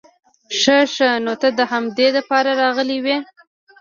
خه خه نو ته د همدې د پاره راغلې وې؟